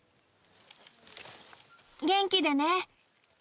元気でね。